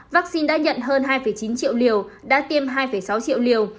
vaccine đã nhận hơn hai chín triệu liều đã tiêm hai sáu triệu liều